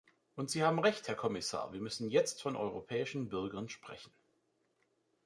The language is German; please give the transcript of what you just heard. Und Sie haben Recht, Herr Kommissar, wir müssen jetzt von europäischen Bürgern sprechen.